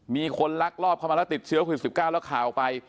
มีคนลักลอบเข้ามาแล้วติดเชื้อโควิด๑๙แล้วข่าวไป